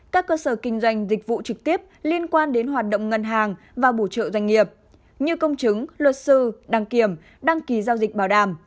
các cơ sở kinh doanh dịch vụ trực tiếp liên quan đến hoạt động ngân hàng và bổ trợ doanh nghiệp như công chứng luật sư đăng kiểm đăng ký giao dịch bảo đảm